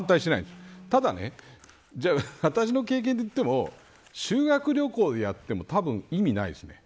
ただ、じゃあ私の経験で言っても修学旅行をやってもたぶん意味ないです。